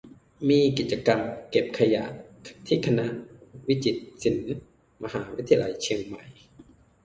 "มีกิจกรรม "เก็บขยะ" ที่คณะวิจิตรศิลป์ มหาวิทยาลัยเชียงใหม่"